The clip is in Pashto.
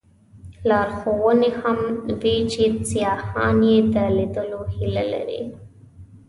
لارښوونې هم وې چې سیاحان یې د لیدلو هیله لري.